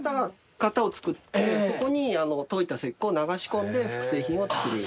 型を作ってそこに溶いた石こうを流し込んで複製品を作る。